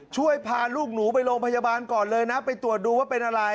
ช่วยพาลูกหนูไปโรงพยาบาลก่อนเลยนะไปตรวจดูว่าเป็นอะไร